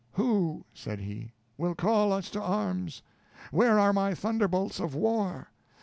"Who," said he, "will call us to arms? Where are my thunderbolts of war?